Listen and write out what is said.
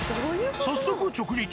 早速直撃。